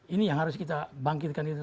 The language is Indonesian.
ini yang harus kita bangkitkan